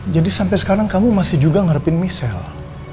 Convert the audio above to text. jadi sampai sekarang kamu masih juga ngarepin michelle